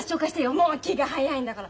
もう気が早いんだから。